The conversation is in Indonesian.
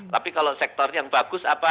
tapi kalau sektor yang bagus apa